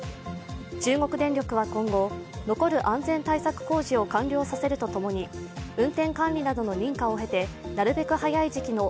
中国電力は今後、残る安全対策工事を完了させるとともに、運転管理などの認可を経てなるべく早い時期の